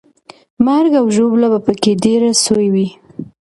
مرګ او ژوبله به پکې ډېره سوې وي.